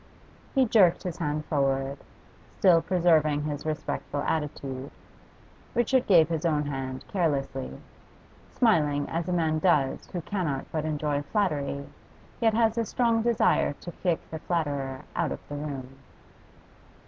He jerked his hand forward, still preserving his respectful attitude. Richard gave his own hand carelessly, smiling as a man does who cannot but enjoy flattery yet has a strong desire to kick the flatterer out of the room.